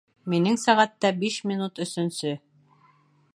Минең сәғәттә биш минут өсөнсө